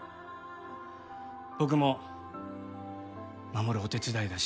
僕も守るお手伝いがしたい。